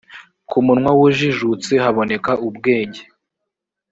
ku munwa w’ujijutse haboneka ubwenge.